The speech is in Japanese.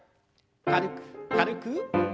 軽く軽く。